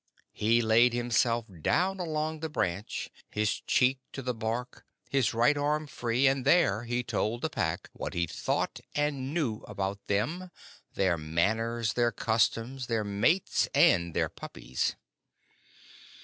He laid himself down along the branch, his cheek to the bark, his right arm free, and there he told the Pack what he thought and knew about them, their manners, their customs, their mates, and their puppies.